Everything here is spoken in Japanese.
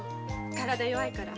体が弱いから。